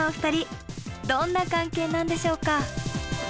どんな関係なんでしょうか？